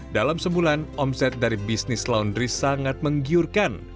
dalam sebulan omset dari bisnis laundry sangat menggiurkan